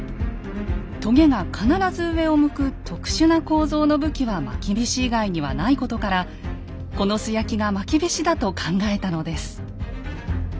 とげが必ず上を向く特殊な構造の武器はまきびし以外にはないことからこの素焼きがまきびしだと考えたのです。